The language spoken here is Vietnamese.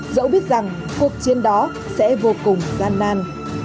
dẫu biết rằng cuộc chiến đó sẽ vô cùng gian nan